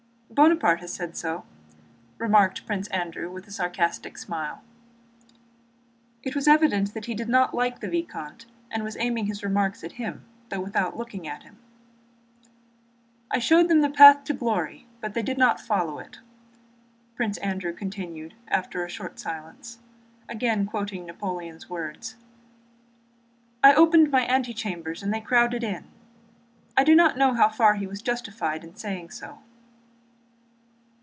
"Bonaparte has said so," remarked Prince Andrew with a sarcastic smile. It was evident that he did not like the vicomte and was aiming his remarks at him, though without looking at him. "'I showed them the path to glory, but they did not follow it,'" Prince Andrew continued after a short silence, again quoting Napoleon's words. "'I opened my antechambers and they crowded in.' I do not know how far he was justified in saying so."